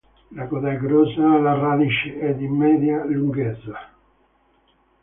La coda è grossa alla radice e di media lunghezza.